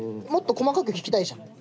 もっと細かく聞きたいじゃん。